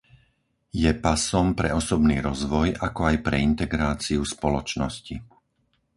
Je pasom pre osobný rozvoj ako aj pre integráciu spoločnosti.